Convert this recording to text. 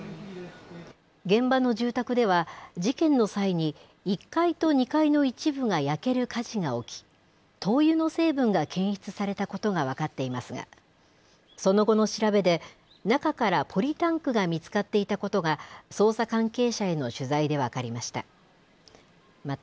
現場の住宅では、事件の際に、１階と２階の一部が焼ける火事が起き、灯油の成分が検出されたことが分かっていますが、その後の調べで、中からポリタンクが見つかっていたことが、捜査関係者への取材で分かりました。